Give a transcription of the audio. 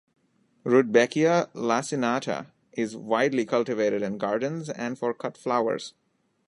"Rudbeckia laciniata" is widely cultivated in gardens and for cut flowers.